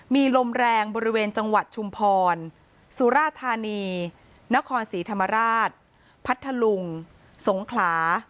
มีลมแรงบริเวณจังหวัดชุมพรสุราธานีนครศรีธรรมราชพัทธลุงสงขลา